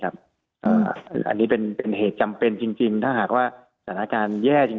อันนี้เป็นเหตุจำเป็นจริงถ้าหากว่าสถานการณ์แย่จริง